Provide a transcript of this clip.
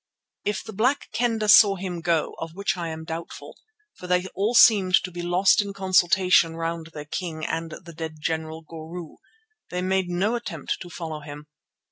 If the Black Kendah saw him go, of which I am doubtful, for they all seemed to be lost in consultation round their king and the dead general, Goru, they made no attempt to follow him.